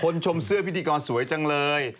ชมเสื้อพิธีกรสวยจังเลย